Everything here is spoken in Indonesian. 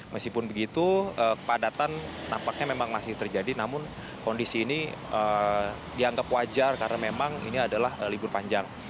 meskipun begitu kepadatan nampaknya memang masih terjadi namun kondisi ini dianggap wajar karena memang ini adalah libur panjang